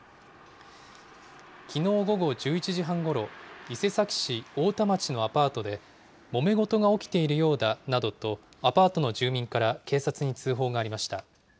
きのう午後１１時半ごろ、伊勢崎市太田町のアパートで、もめごとが起きているようだなどとアパートの住民から警察に通報がありました。